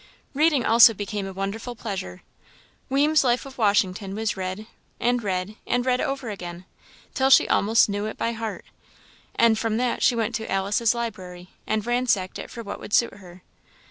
Reading also became a wonderful pleasure. Weems' Life of Washington was read, and read, and read over again, till she almost knew it by heart; and from that she went to Alice's library, and ransacked it for what would suit her.